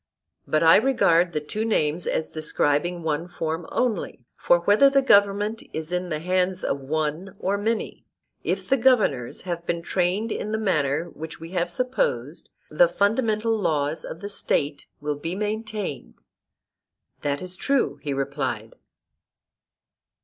But I regard the two names as describing one form only; for whether the government is in the hands of one or many, if the governors have been trained in the manner which we have supposed, the fundamental laws of the State will be maintained. That is true, he replied.